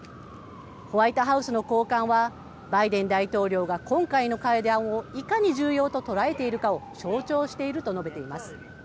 ホワイトハウスの高官は、バイデン大統領が今回の会談をいかに重要と捉えているかを象徴していると述べています。